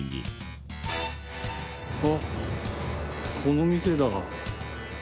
あっこの店だ。